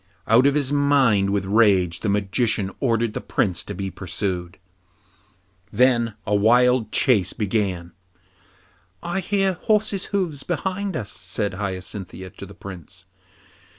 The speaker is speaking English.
Out of his mind with rage, the Magician ordered the Prince to be pursued. Then a wild chase began. 'I hear horses' hoofs behind us,' said Hyacinthia to the Prince.